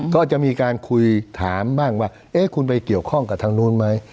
ก็จะมีการคุยถามบ้างว่าเอ๊ะคุณไปเกี่ยวข้องกับทางนู้นไหม